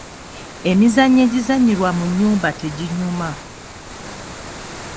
Emizannyo egizanyirwa mu nnyumba teginyuma.